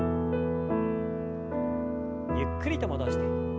ゆっくりと戻して。